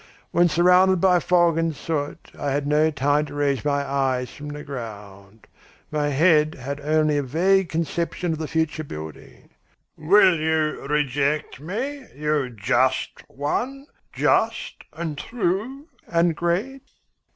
When surrounded by fog and soot, I had no time to raise my eyes from the ground; my head had only a vague conception of the future building. Will you reject me, you just one, Just, and True, and Great?'"